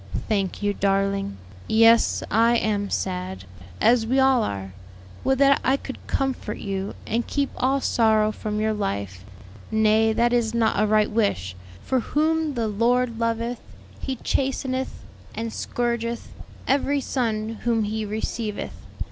"Thank you, darling. Yes, I am sad, as we all are. Would that I could comfort you, and keep all sorrow from your life. Nay, that is not a right wish, for 'whom the Lord loveth He chasteneth, and scourgeth every son whom He receiveth.'